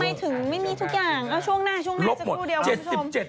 ทำไมถึงไม่มีทุกอย่างช่วงหน้าจะสู้เดียว